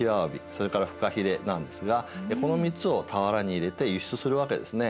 それからフカヒレなんですがこの３つを俵に入れて輸出するわけですね。